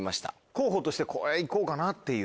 候補としてこれ行こうかなっていう。